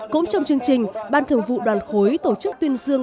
cũng trong chương trình ban thường vụ đoàn khối tổ chức tuyên dương